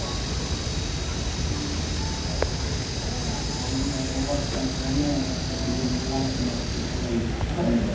何がよかった何がいけなかったのってそれはいっぱいあるよ。ね。